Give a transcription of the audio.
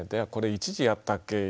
これ１時やったっけ？